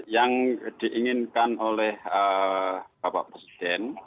yang diinginkan oleh bapak presiden